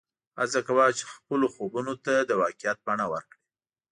هڅه کوه چې خپل خوبونه د واقعیت بڼه ورکړې